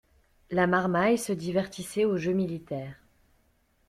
La marmaille se divertissait aux jeux militaires.